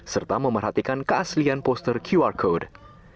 serta memerhatikan keaslian poster qr code